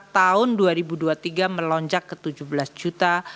tahun dua ribu dua puluh tiga melonjak ke tujuh belas juta